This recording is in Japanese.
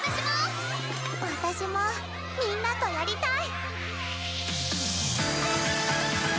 私もみんなとやりたい！